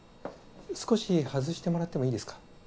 少し外してもらってもいいですか？